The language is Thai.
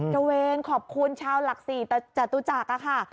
ระเวนขอบคุณชาวหลักศรีจตุจักรค่ะ